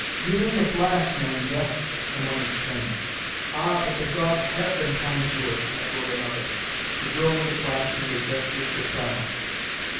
"Give him the flask, Naida!" someone exclaimed. "Ah, but the Gods have been kind to us!" echoed another. The girl with the flask made a gesture for silence.